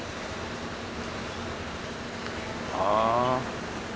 ああ。